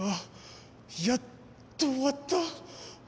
やっと終わった。